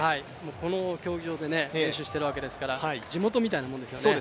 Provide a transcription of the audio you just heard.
この競技場で練習をしているわけですから地元みたいなものですよね。